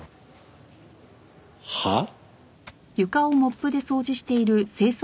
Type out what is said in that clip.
はあ？